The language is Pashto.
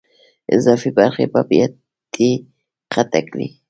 اضافي برخې په بیاتي قطع کړئ.